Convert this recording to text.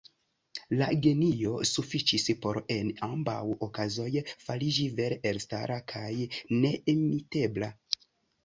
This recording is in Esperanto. Lia genio sufiĉis por en ambaŭ okazoj fariĝi vere elstara kaj neimitebla.